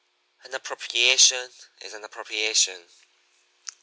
An appropriation is an appropriation.'